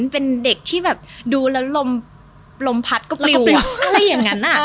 เป็นเด็กที่แบบดูแล้วลมพัดก็ปลิวอะไรอย่างนั้น